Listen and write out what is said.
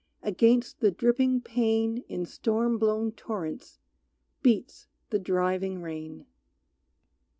Against the dripping pane In storm blown torrents beats the driving rain.